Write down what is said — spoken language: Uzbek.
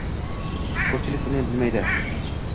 Ko`pchilik buni bilmaydi